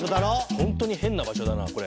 本当に変な場所だなこれ。